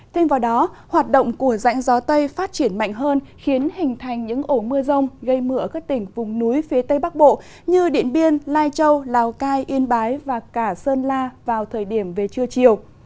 thêm vào đó hoạt động của rãnh gió tây phát triển mạnh hơn khiến hình thành những ổ mưa rông gây mưa ở các tỉnh vùng núi phía tây bắc bộ như điện biên lai châu lào cai yên bái và cả sơn la vào thời điểm về trưa chiều